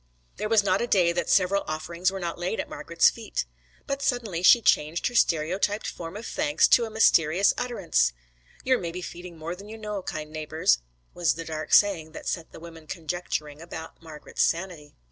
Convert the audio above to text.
There was not a day that several offerings were not laid at Margret's feet. But suddenly she changed her stereotyped form of thanks to a mysterious utterance, 'You're maybe feeding more than you know, kind neighbours,' was the dark saying that set the women conjecturing about Margret's sanity.